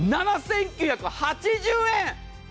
７９８０円！